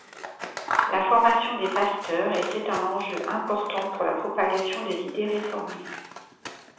La formation des pasteurs était un enjeu important pour la propagation des idées réformées.